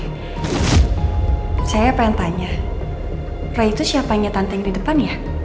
oke saya pengen tanya roy itu siapanya tante yang di depan ya